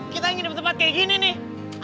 kita ngirim tempat kayak gini nih